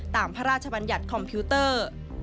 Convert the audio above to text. พระราชบัญญัติคอมพิวเตอร์